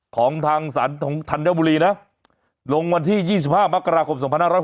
ของทางศาลทันเต้าบุรีนะลงวันที่๒๕มกราคม๒๕๖๕